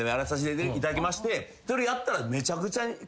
それやったら。